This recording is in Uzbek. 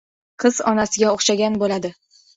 Qiz onasiga o‘xshagan bo‘ladi.